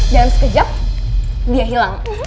dan sekejap dia hilang